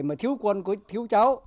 mà thiếu con thiếu cháu